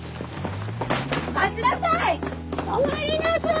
待ちなさい！